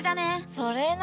それな。